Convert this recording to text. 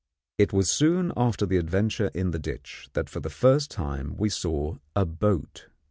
It was soon after the adventure in the ditch that for the first time we saw a boat.